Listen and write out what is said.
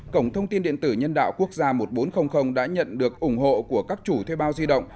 cổng thông tin điện tử nhân đạo quốc gia một nghìn bốn trăm linh đã nhận được ủng hộ của các chủ thuê bao di động